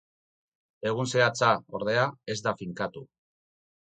Egun zehatza, ordea, ez da finkatu.